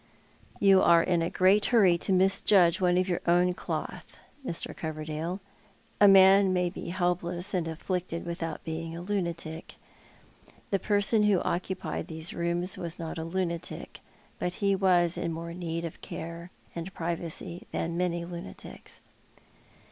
" You are in a great hurry to misjudge one of your own cloth, IMr. Coverdale. A man may be helpless and afflicted without being a lunatic. The person who occupied these rooms •was not a lunatic; but he was in more need of care and privacy than many lunatics."